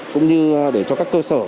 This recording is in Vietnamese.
cũng như để cho các cơ sở